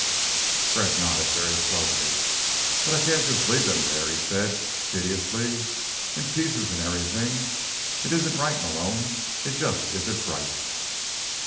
Fred nodded very slowly. "But I can't just leave them there," he said piteously. "In pieces and everything. It isn't right, Malone. It just isn't right."